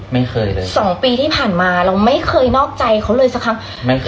ไม่เคยเลย๒ปีที่ผ่านมาเราไม่เคยนอกใจเขาเลยสักครั้ง